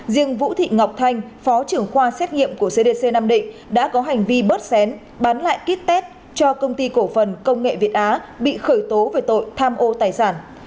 riêng vũ thị ngọc thanh phó trưởng khoa xét nghiệm của cdc nam định đã có hành vi bớt xén bán lại kit test cho công ty cổ phần công nghệ việt á bị khởi tố về tội tham ô tài sản